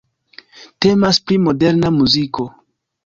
Temas pri Moderna muziko.